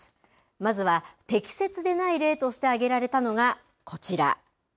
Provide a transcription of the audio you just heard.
まずは適切でない例として挙げられたのが、こちら。